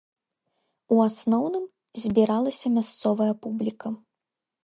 У асноўным збіралася мясцовая публіка.